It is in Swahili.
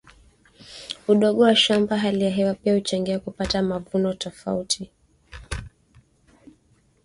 udogo wa shamba hali ya hewa pia huchangia kupata mavuno ya tofauti